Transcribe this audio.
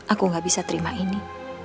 aku gak bisa terima ini